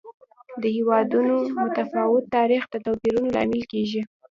د هېوادونو متفاوت تاریخ د توپیرونو لامل کېږي.